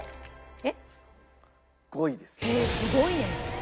へえーすごいね！